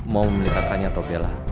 mau membeli kakaknya atau bella